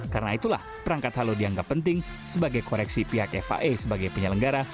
karena itulah perangkat halo dianggap penting sebagai koreksi pihak fia sebagai penyelenggara